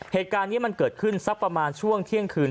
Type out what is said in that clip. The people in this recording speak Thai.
เหตุการณ์นี้มันเกิดขึ้นสักประมาณช่วงเที่ยงคืน